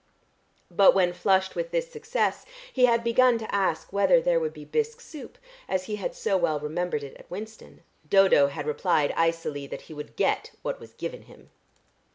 But when flushed with this success he had begun to ask whether there would be bisque soup, as he had so well remembered it at Winston, Dodo had replied icily that he would get what was given him.